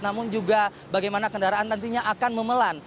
namun juga bagaimana kendaraan nantinya akan memelan